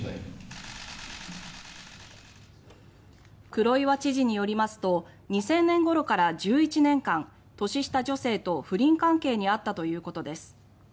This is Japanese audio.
黒岩知事によりますと２０００年ごろから１１年間年下女性と不倫関係にあったということです。